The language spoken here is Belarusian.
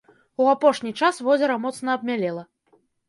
У апошні час возера моцна абмялела.